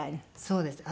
そうです。